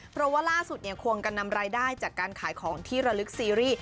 เพราะว่าล่าสุดเนี่ยควงกันนำรายได้จากการขายของที่ระลึกซีรีส์